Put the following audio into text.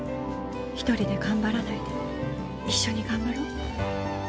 １人で頑張らないで一緒に頑張ろう。